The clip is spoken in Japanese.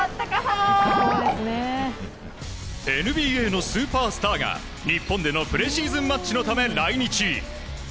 ＮＢＡのスーパースターが日本でのプレシーズンマッチのために来日。